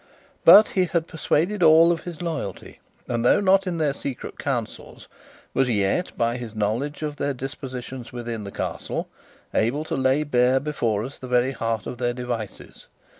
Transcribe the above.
But he had persuaded all of his loyalty; and though not in their secret counsels, was yet, by his knowledge of their dispositions within the Castle, able to lay bare before us the very heart of their devices.